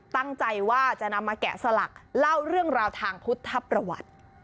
ตั้งใจว่าจะนำมาแกะสลักเล่าเรื่องราวทางพุทธประวัติ